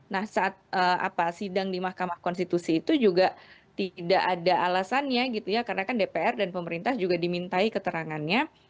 nah saat sidang di mahkamah konstitusi itu juga tidak ada alasannya gitu ya karena kan dpr dan pemerintah juga dimintai keterangannya